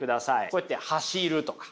こうやって走るとか。